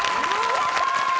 やった！